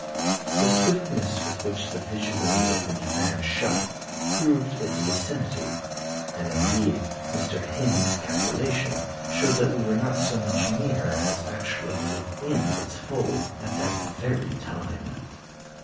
The swiftness with which the visually opened fan shut proved its vicinity; and, indeed, Mr. Hind's calculations showed that we were not so much near as actually within its folds at that very time.